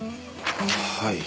はい。